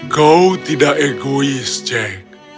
kau tidak egois jack